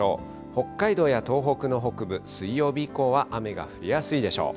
北海道や東北の北部、水曜日以降は雨が降りやすいでしょう。